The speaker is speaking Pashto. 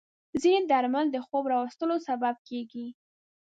ځینې درمل د خوب راوستلو سبب کېږي.